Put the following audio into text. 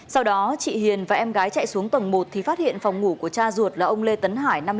sau đó chị hiền và em gái chạy xuống tầng một thì phát hiện phòng ngủ của cha ruột là ông lê tấn hải